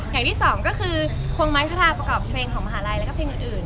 อย่างที่สองก็คือคงไม้คาทาประกอบเพลงของมหาลัยแล้วก็เพลงอื่น